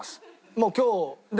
「もう今日で」